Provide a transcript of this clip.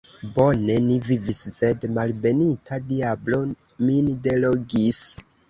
Bone ni vivis, sed malbenita diablo min delogis!